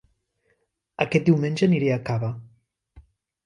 Aquest diumenge aniré a Cava